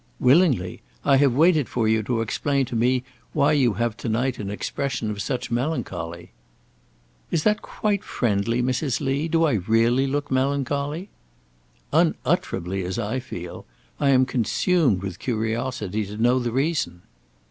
"Willingly. I have waited for you to explain to me why you have to night an expression of such melancholy." "Is that quite friendly, Mrs. Lee? Do I really look melancholy?" "Unutterably, as I feel. I am consumed with curiosity to know the reason."